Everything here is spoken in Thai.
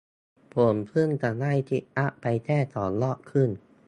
ผมเพิ่งจะได้ซิทอัพไปแค่สองรอบครึ่ง